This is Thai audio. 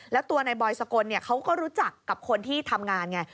แล้วตัวนายบอยสกลเขาก็รู้จักกับคนที่ทำงานไง